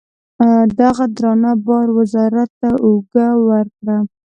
دغه درانه بار وزارت ته اوږه ورکړه.